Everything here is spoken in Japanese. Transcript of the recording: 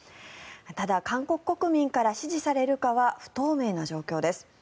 ただ、韓国国民から支持されるかは不透明な状況です。